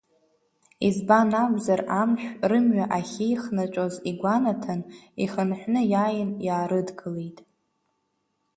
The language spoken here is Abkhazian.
Избан акәзар амшә, рымҩа ахьеихнаҵәоз игәанаҭан, ихынҳәны иааин, иаарыдгылеит.